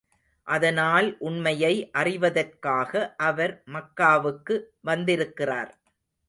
அதனால் உண்மையை அறிவதற்காக, அவர் மக்காவுக்கு வந்திருக்கிறார்.